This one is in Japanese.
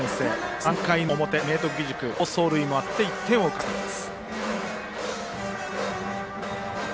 ３回の表、明徳義塾好走塁もあって１点を返しています。